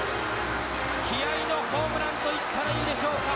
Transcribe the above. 気合いのホームランといったらいいでしょうか。